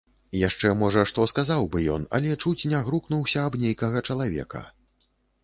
Яшчэ, можа, што сказаў бы ён, але чуць не грукнуўся аб нейкага чалавека.